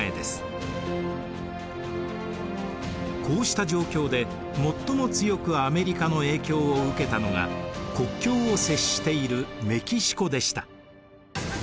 こうした状況で最も強くアメリカの影響を受けたのが国境を接しているメキシコでした。